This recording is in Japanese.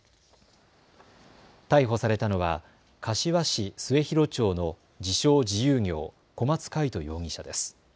逮捕されたのは柏市末広町の自称自由業、小松魁人容疑者です。